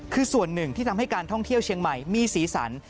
คือส่วนหนึ่งที่ทำให้การท่องเที่ยวเชียงใหม่มีสีสัน